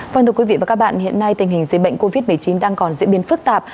vâng thưa quý vị và các bạn hiện nay tình hình dịch bệnh covid một mươi chín đang còn diễn biến phức tạp